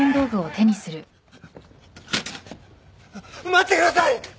待ってください！